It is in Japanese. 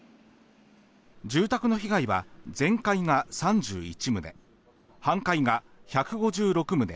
住宅の被害は全壊が３１棟半壊が１５６棟